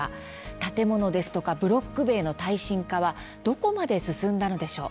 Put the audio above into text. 建物やブロック塀の耐震化はどこまで進んだのでしょう。